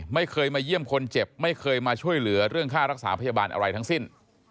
ไม่เคยมาเยี่ยมคนเจ็บไม่เคยมาช่วยเหลือเรื่องค่ารักษาพยาบาลอะไรทั้งสิ้น